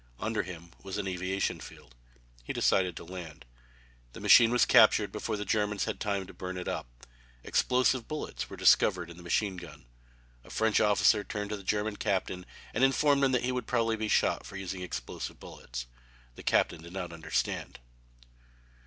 Under him was an aviation field. He decided to land. The machine was captured before the Germans had time to burn it up. Explosive bullets were discovered in the machine gun. A French officer turned to the German captain and informed him that he would probably be shot for using explosive bullets. The captain did not understand.